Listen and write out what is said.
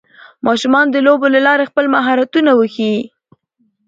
ماشومان د لوبو له لارې خپل مهارتونه وښيي